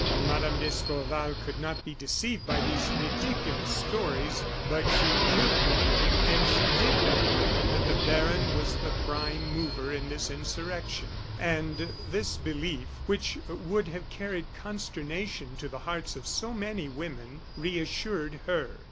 Mme. d'Escorval could not be deceived by these ridiculous stories, but she could believe, and she did believe that the baron was the prime mover in this insurrection. And this belief, which would have carried consternation to the hearts of so many women, reassured her.